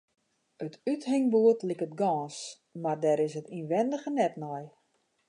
It úthingboerd liket gâns, mar dêr is 't ynwindige net nei.